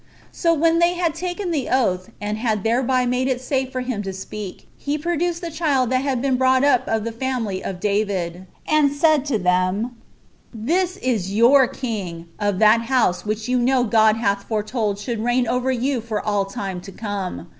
So when they had taken the oath, and had thereby made it safe for him to speak, he produced the child that he had brought up of the family of David, and said to them, "This is your king, of that house which you know God hath foretold should reign over you for all time to come.